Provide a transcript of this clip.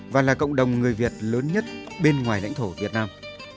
và là cộng đồng người việt lớn nhất bên ngoài lãnh thổ việt nam